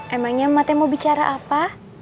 emangnya mata mau bicara apa